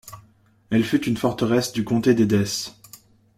Elle fut une forteresse du Comté d'Édesse.